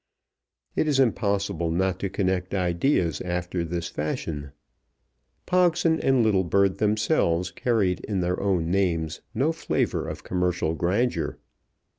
It is impossible not to connect ideas after this fashion. Pogson and Littlebird themselves carried in their own names no flavour of commercial grandeur.